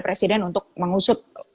presiden untuk mengusut